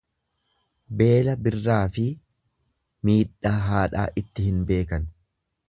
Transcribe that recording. Beela birraafi miidhaa haadhaa itti hin beekan.